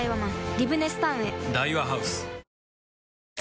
リブネスタウンへ